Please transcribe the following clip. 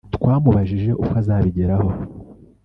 twamubajije uko azabigeraho